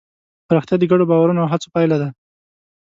پراختیا د ګډو باورونو او هڅو پایله ده.